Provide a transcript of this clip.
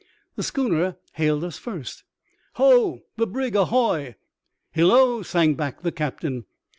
The schooner hailed us first. " Ho, the brig ahoy !"*' Hillo," sang back the captain.